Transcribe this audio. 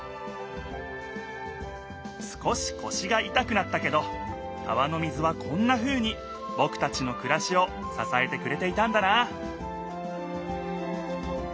少しこしがいたくなったけど川の水はこんなふうにぼくたちのくらしをささえてくれていたんだな